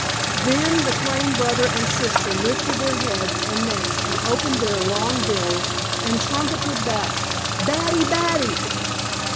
Then the Crane brother and sister lifted their heads and necks and opened their long bills, and trumpeted back, "Baddy baddy!"